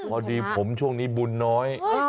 พอดีผมช่วงนี้บุญน้อย